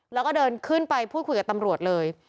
แล้วก็เดินขึ้นไปพูดคุยกับตำรวจเลย